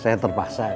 saya terpaksa karena